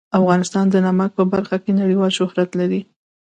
افغانستان د نمک په برخه کې نړیوال شهرت لري.